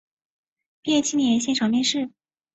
毕业青年现场面试